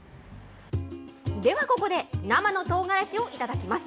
ではここで、生のとうがらしを頂きます。